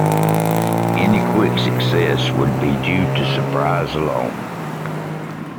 Any quick success would be due to surprise alone.